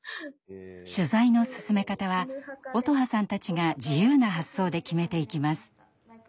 取材の進め方は音羽さんたちが自由な発想で決めていきます。